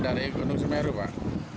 dari gunung semeru pak